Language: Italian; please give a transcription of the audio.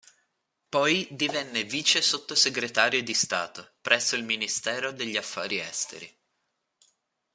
Poi divenne vice sotto-segretario di Stato presso il Ministero degli affari esteri.